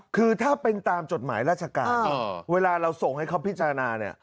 คือถ้าเป็นตามจดหมายราชการเวลาเราส่งให้เขาพิจารณาเนี่ย